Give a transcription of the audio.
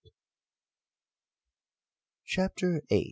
CHAPTER vin.